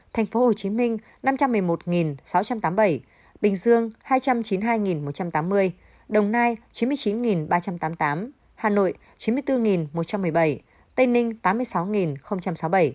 tp hcm năm trăm một mươi một sáu trăm tám mươi bảy bình dương hai trăm chín mươi hai một trăm tám mươi đồng nai chín mươi chín ba trăm tám mươi tám hà nội chín mươi bốn một trăm một mươi bảy tây ninh tám mươi sáu sáu mươi bảy